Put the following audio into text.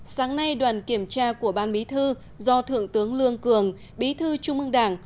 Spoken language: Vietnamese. sáng nay đoàn kiểm tra của ban bí thư do thượng tướng lương cường bí thư trung ương đảng